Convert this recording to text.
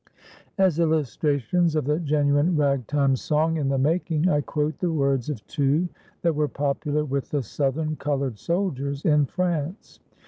As illustrations of the genuine Ragtime song in the making, I quote the words of two that were popular with the Southern colored soldiers in France.